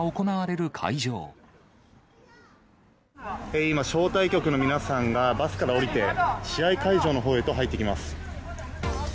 一方、きょう、今、招待客の皆さんが、バスから降りて、試合会場のほうへと入っていきます。